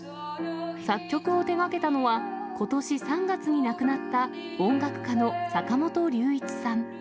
作曲を手がけたのは、ことし３月に亡くなった音楽家の坂本龍一さん。